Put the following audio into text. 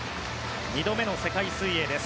２度目の世界水泳です。